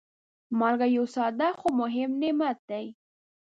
مالګه یو ساده، خو مهم نعمت دی.